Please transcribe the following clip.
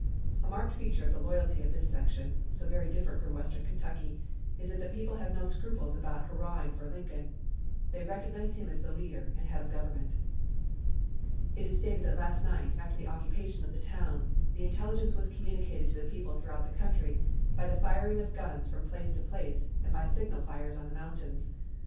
A marked feature of the loyalty of this section (so different from western Kentucky) is that the people have no scruples about hurrahing for Lincoln, they recognize him as the leader and head of the Government. "It is stated that last night, after the occupation of the town, the intelligence was communicated to the people throughout the country by the firing of guns from place to place and by signal fires on the mountains.